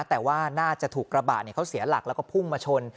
แต่ว่าน่าจะถูกกระบะเขาเสียหลักแล้วก็พุ่งมาชน